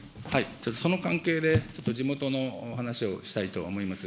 その関係で、ちょっと地元の話をしたいと思います。